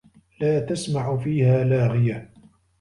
لا تَسمَعُ فيها لاغِيَةً